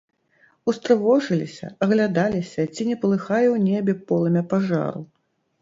Устрывожыліся, аглядаліся, ці не палыхае ў небе полымя пажару.